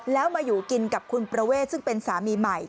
แล้วมาอยู่กินกับคุณประเวทซึ่งเป็นสามีใหม่